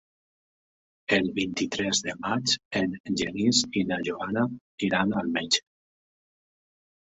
El vint-i-tres de maig en Genís i na Joana iran al metge.